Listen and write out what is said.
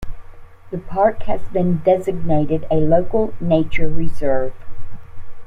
The park has been designated a Local Nature Reserve.